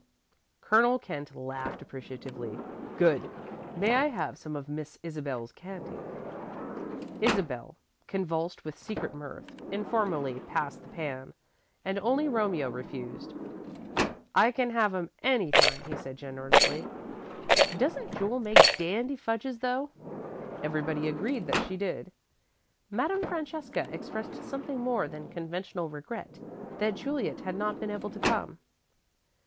Colonel Kent laughed appreciatively. "Good! May I have some of Miss Isabel's candy?" Isabel, convulsed with secret mirth, informally passed the pan, and only Romeo refused. "I can have 'em any time," he said, generously. "Doesn't Jule make dandy fudges, though?" Everybody agreed that she did. Madame Francesca expressed something more than conventional regret that Juliet had not been able to come.